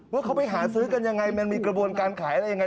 ว่าเขาไปหาซื้อกันยังไงมันมีกระบวนการขายอะไรยังไง